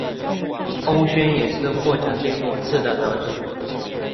欧萱也是获奖最多次的得主。